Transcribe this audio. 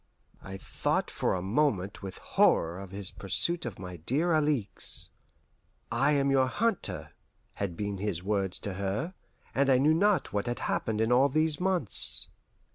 I thought for a moment with horror of his pursuit of my dear Alixe. "I am your hunter," had been his words to her, and I knew not what had happened in all these months.